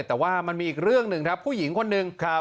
แต่ว่ามันมีอีกเรื่องหนึ่งครับผู้หญิงคนหนึ่ง